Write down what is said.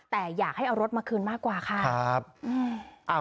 แต่อยากให้เอารถมาคืนมากกว่าค่ะ